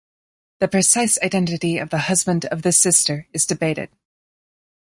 The precise identity of the husband of this sister is debated.